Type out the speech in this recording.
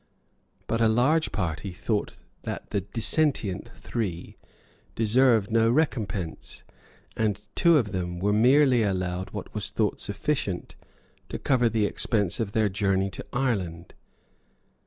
But a large party thought that the dissentient three deserved no recompense; and two of them were merely allowed what was thought sufficient to cover the expense of their journey to Ireland.